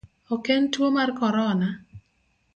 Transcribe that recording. Ok en tuo mar corona?